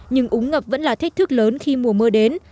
nhưng úng ngập vẫn là thách thức lớn khi mùa mưa đến